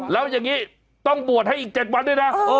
แล้วอย่างนี้ต้องบวชให้อีก๗วันด้วยนะ